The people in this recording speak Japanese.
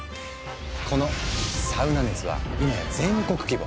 このサウナ熱は今や全国規模。